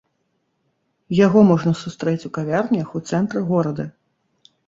Яго можна сустрэць у кавярнях у цэнтры горада.